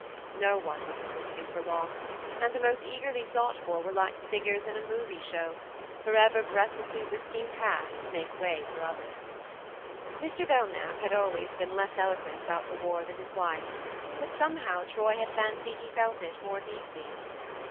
No one was listened to for long, and the most eagerly sought for were like the figures THE MARNE 41 in a movy show, forever breathlessly whisking past to make way for others. Mr. Belknap had always been less eloquent about the war than his wife ; but somehow Troy had fancied he felt it more deeply.